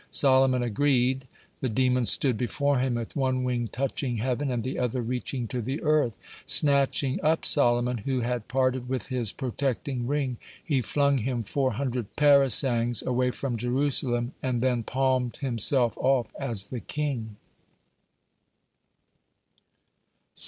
Solomon agreed. The demon stood before him with one wing touching heaven and the other reaching to the earth. Snatching up Solomon, who had parted with his protecting ring, he flung him four hundred parasangs away from Jerusalem, and then palmed himself off as the king.